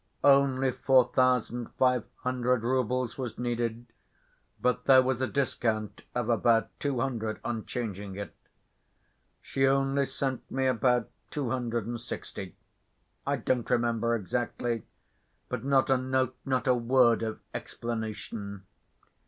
Only four thousand five hundred roubles was needed, but there was a discount of about two hundred on changing it. She only sent me about two hundred and sixty. I don't remember exactly, but not a note, not a word of explanation.